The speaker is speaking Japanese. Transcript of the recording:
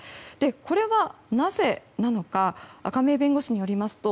これは、なぜなのか亀井弁護士によりますと